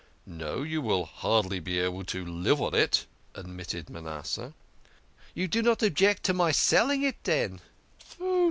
"No, you will hardly be able to live on it," admitted Manasseh. " You do not object to my selling it, den?